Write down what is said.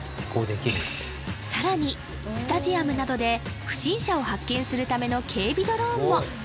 さらにスタジアムなどで不審者を発見するための警備ドローンも！